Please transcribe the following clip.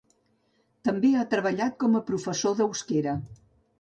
També ha treballat com a professor d'euskera.